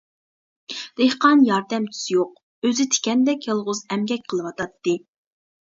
دېھقان ياردەمچىسى يوق، ئۆزى تىكەندەك يالغۇز ئەمگەك قىلىۋاتاتتى.